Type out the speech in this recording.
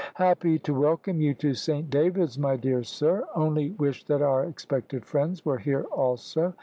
"Happy to welcome you to Saint David's, my dear sir; only wish that our expected friends were here also.